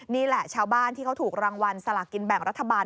นี่แหละชาวบ้านที่เขาถูกรางวัลสลากินแบ่งรัฐบาล